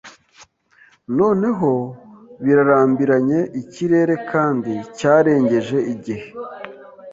Noneho birarambiranye ikirere kandi cyarengeje igihe